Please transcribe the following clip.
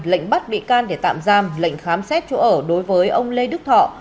lệnh bắt bị can để tạm giam lệnh khám xét chỗ ở đối với ông lê đức thọ